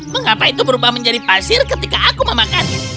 mengapa itu berubah menjadi pasir ketika aku memakannya